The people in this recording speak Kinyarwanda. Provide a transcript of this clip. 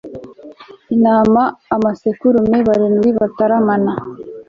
intama amasekurume barindwi bataramara